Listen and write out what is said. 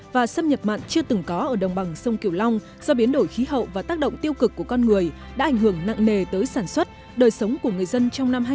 và xâm nhập mặn chưa từng có ở đồng bằng sông kiều long do biến đổi khí hậu và tác động tiêu cực của con người đã ảnh hưởng nặng nề tới sản xuất đời sống của người dân trong năm hai nghìn hai mươi